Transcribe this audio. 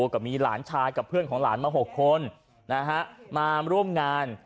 ก็มีหลานชายกับเพื่อนของหลานมา๖คนมาร่วมงาน